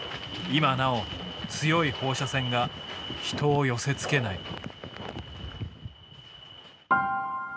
今なお強い放射線が人を寄せつけない。